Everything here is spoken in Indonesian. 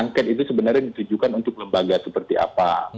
angket itu sebenarnya ditujukan untuk lembaga seperti apa